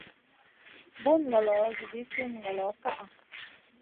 Bun ngolo edii sun ngolo ka ʼa.